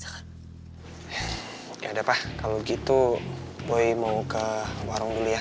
kalau begitu boy mau ke warung dulu ya